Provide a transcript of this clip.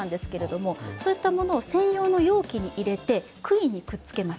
そういったものを専用の容器に入れてくいにくっつけます。